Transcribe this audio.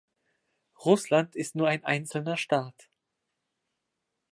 Russland ist nur ein einzelner Staat.